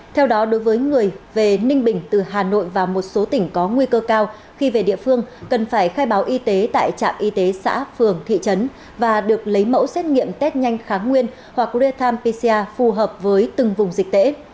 theo đó đối với người về ninh bình từ hà nội và một số tỉnh có nguy cơ cao khi về địa phương cần phải khai báo y tế tại trạm y tế xã phường thị trấn và được lấy mẫu xét nghiệm test nhanh kháng nguyên hoặc real time pcr phù hợp với từng vùng dịch tễ